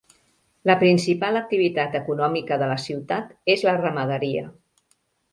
La principal activitat econòmica de la ciutat és la ramaderia.